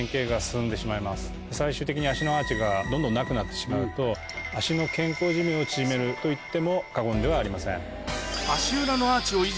最終的に足のアーチがどんどんなくなってしまうと。といっても過言ではありません。